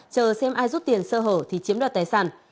chờ xem ai rút tiền sơ hở thì chiếm đoạt tài sản